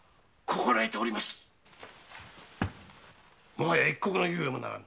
もはや一刻の猶予もならぬ。